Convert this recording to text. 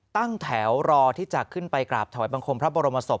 ตั้งแถวรอที่จะขึ้นไปกราบถวายบังคมพระบรมศพ